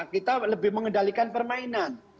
kita lebih mengendalikan permainan